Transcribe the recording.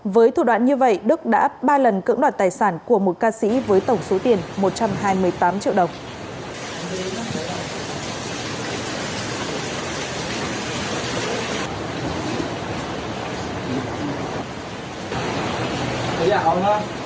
với thủ đoạn như vậy đức đã ba lần cưỡng đoạt tài sản của một ca sĩ với tổng số tiền một trăm hai mươi tám triệu đồng